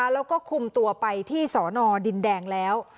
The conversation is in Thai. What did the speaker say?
แล้วก็คุมตัวไปที่สอนอดินแดงแล้ว